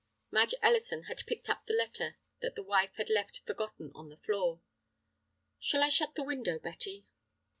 Madge Ellison had picked up the letter that the wife had left forgotten on the floor. "Shall I shut the window, Betty?"